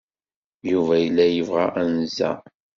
Yuba yella yebɣa anza.